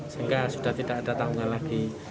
sehingga sudah tidak ada tanggungan lagi